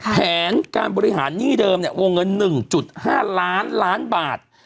แผนการบริหารหนี้เดิมเนี่ยวงเงิน๑๕ล้านล้านบาท